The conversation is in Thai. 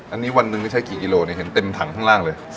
อันนี้วันหนึ่งที่ใช้กี่กิโลเนี่ยเห็นเต็มถังข้างล่างเลย